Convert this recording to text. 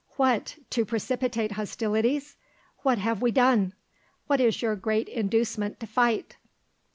"What, to precipitate hostilities! What have we done? What is your great inducement to fight?"